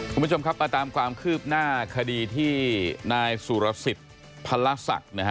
คุณผู้ชมครับมาตามความคืบหน้าคดีที่นายสุรสิตภรรรษักษ์